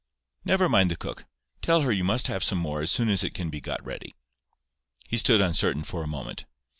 "Never mind the cook. Tell her you must have some more as soon as it can be got ready." He stood uncertain for a moment.